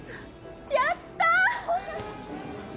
やったー！